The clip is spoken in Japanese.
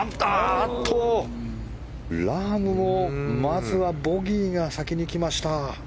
ラームもまずはボギーが先に来ました。